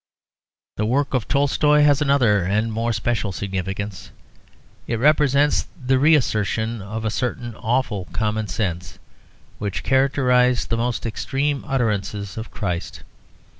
The work of Tolstoy has another and more special significance. It represents the re assertion of a certain awful common sense which characterised the most extreme utterances of Christ.